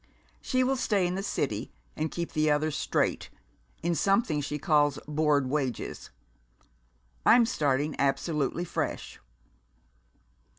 She will stay in the city and keep the others straight, in something she calls board wages. I'm starting absolutely fresh."